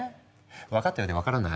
分かったようで分からない？